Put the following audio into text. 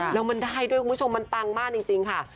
แล้วมันได้ด้วยคุณผู้ชมมันปังมากจริงค่ะ